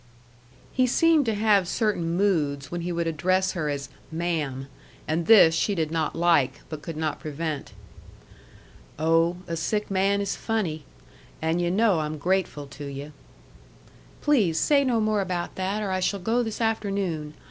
He seemed to have certain moods when he would address her as "ma'am," and this she did not like, but could not prevent. "Oh, a sick man is funny. And yu' know I'm grateful to you." "Please say no more about that, or I shall go this afternoon.